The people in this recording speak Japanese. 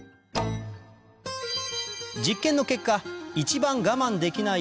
実験の結果一番ガマンできない